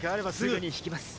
すぐに引きます。